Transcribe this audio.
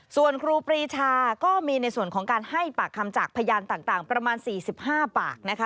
ส่วนครูปรีชาก็มีในส่วนของการให้ปากคำจากพยานต่างประมาณ๔๕ปากนะคะ